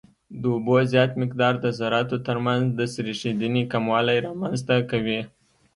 د اوبو زیات مقدار د ذراتو ترمنځ د سریښېدنې کموالی رامنځته کوي